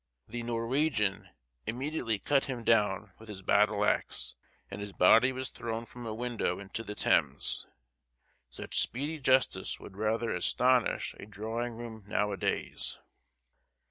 The Norwegian immediately cut him down with his battle axe, and his body was thrown from a window into the Thames. Such speedy justice would rather astonish a drawing room now a days.